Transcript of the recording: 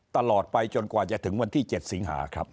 ตลอดไปจนกว่าจะถึงวันที่๗สิงหาครับ